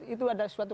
itu adalah suatu